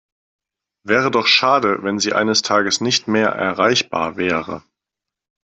Wäre doch schade, wenn Sie eines Tages nicht mehr erreichbar wäre.